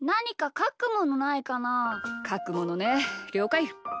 かくものねりょうかい。